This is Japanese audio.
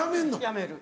やめる。